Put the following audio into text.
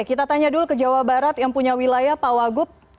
kita tanya dulu ke jawa barat yang punya wilayah pak wagub